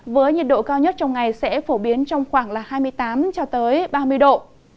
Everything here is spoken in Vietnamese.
với nhiệt độ cao nhất trong ngày sẽ phổ biến trong khoảng hai mươi tám ba mươi độ